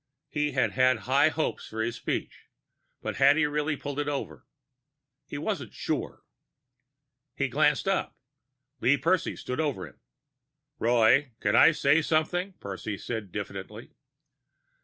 He had had high hopes for his speech, but had he really put it over? He wasn't sure. He glanced up. Lee Percy stood over him. "Roy, can I say something?" Percy said diffidently.